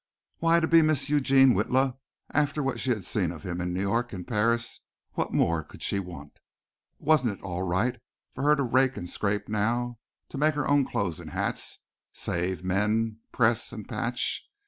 Why, to be Mrs. Eugene Witla, after what she had seen of him in New York and Paris, what more could she want? Wasn't it all right for her to rake and scrape now, to make her own clothes and hats, save, mend, press and patch?